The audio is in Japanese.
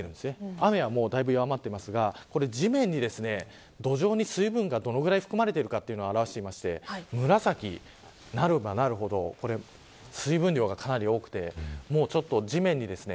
雨はだいぶ弱まっていますが地面に土壌に水分がどれぐらい含まれているのかを表していまして紫になればなるほど水分量がかなり多いです。